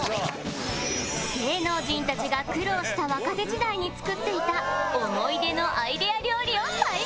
芸能人たちが苦労した若手時代に作っていた思い出のアイデア料理を再現